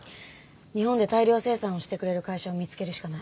日本で大量生産してくれる会社を見つけるしかない。